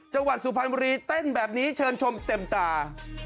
จังหวัดสุภาณบุรีเต้นแบบนี้เชิญชมเต็มตา